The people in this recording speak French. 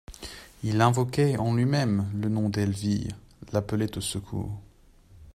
Il invoquait, en lui-même, le nom d'Elvire, l'appelait au secours.